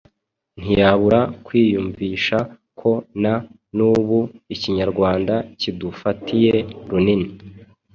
ntiyabura kwiyumvisha ko na n'ubu ikinyarwanda kidufatiye runini.